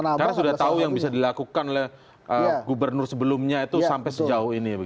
karena sudah tahu yang bisa dilakukan oleh gubernur sebelumnya itu sampai sejauh ini